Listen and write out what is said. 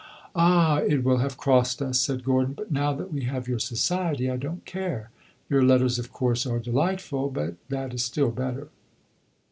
"Ah, it will have crossed us," said Gordon. "But now that we have your society I don't care. Your letters, of course, are delightful, but that is still better."